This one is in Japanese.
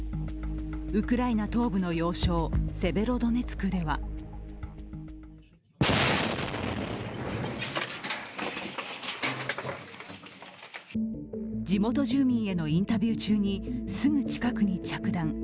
ウクライナ東部の要衝セベロドネツクでは地元住民へのインタビュー中にすぐ近くに着弾。